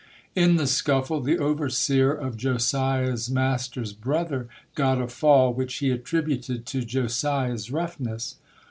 In the scuffle the overseer of Josiah's master's brother got a fall which he attributed to Josiah's roughness.